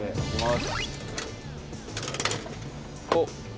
おっ。